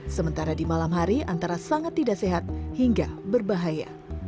sementara di malam hari antara sangat tidak sehat hingga berbahaya